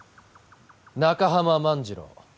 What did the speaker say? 中濱万次郎